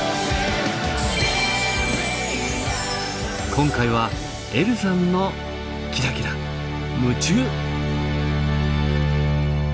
今回はえるさんのキラキラムチュー。